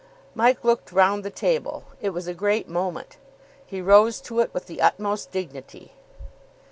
Mike looked round the table. It was a great moment. He rose to it with the utmost dignity.